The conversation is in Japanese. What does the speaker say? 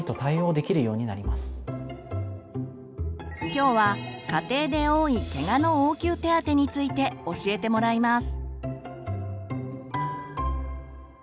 きょうは家庭で多いケガの応急手当について教えてもらいます。